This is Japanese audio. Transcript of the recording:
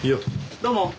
どうも。